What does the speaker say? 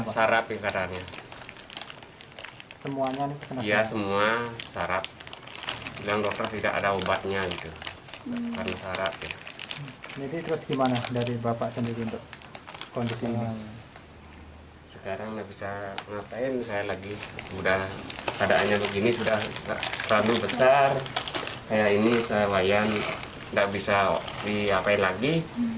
sekarang tidak bisa mengatakan saya lagi keadaannya begini sudah terlalu besar kayak ini saya bayang tidak bisa diapain lagi